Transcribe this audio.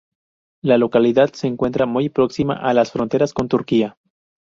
La localidad se encuentra muy próxima a las fronteras con Turquía.